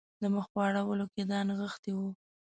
د مخ په اړولو کې یې دا نغښتي وو.